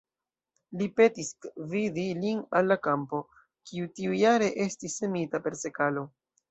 Li petis gvidi lin al la kampo, kiu tiujare estis semita per sekalo.